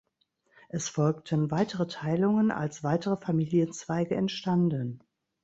Es folgten weitere Teilungen, als weitere Familienzweige entstanden.